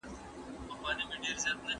په تاریخ نه پوهېدل لویه تېروتنه رامنځته کوي.